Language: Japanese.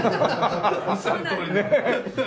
おっしゃるとおりで。